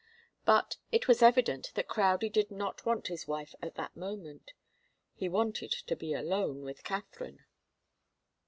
But it was evident that Crowdie did not want his wife at that moment. He wanted to be alone with Katharine.